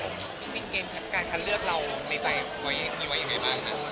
การคัดเลือกเราในใจมีไว้ยังไงบ้างครับ